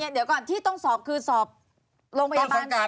เดี๋ยวก่อนที่ต้องสอบคือสอบโรงพยาบาลไหน